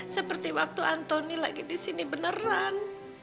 seperti waktu antoni lagi di sini beneran